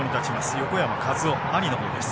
横山和生兄のほうです。